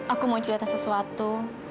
aku mau cerita sesuatu